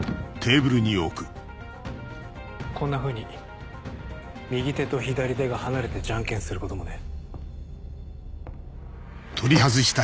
こんなふうに右手と左手が離れてじゃんけんすることもね。